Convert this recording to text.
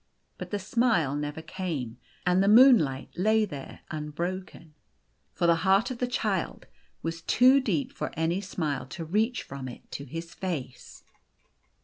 But the smile never came, and the moonlight lay there unbroken. For the heart of the child was too deep for any smile to reach from it to his face.